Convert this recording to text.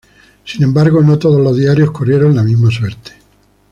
Sin embargo, no todos los diarios corrieron la misma suerte.